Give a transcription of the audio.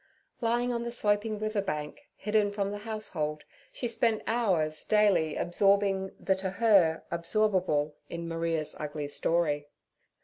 Lying on the sloping river bank, hidden from the house hold, she spent hours daily absorbing theto her, absorbable in Maria's ugly story.